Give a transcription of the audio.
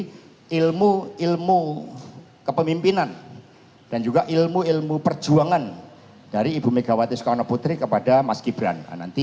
jadi ilmu ilmu kepemimpinan dan juga ilmu ilmu perjuangan dari ibu megawati soekarno petri kepada mas gibran